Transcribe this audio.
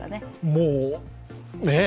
もう、ねぇ！